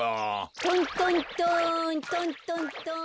トントントントントントン。